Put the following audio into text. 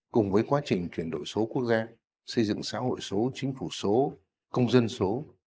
cùng với quá trình chuyển đổi số quốc gia xây dựng xã hội số chính phủ số công dân số